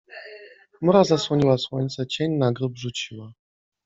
Chmura zasłoniła słońce, cień na grób rzuciła.